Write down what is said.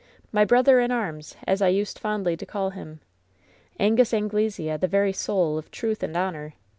My T)rother in arms,' as I used fondly to call him. Angus Anglesea, the very soul of truth and honor.